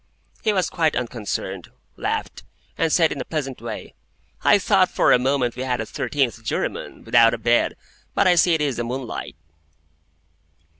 He was quite unconcerned, laughed, and said in a pleasant way, "I thought for a moment we had a thirteenth juryman, without a bed. But I see it is the moonlight."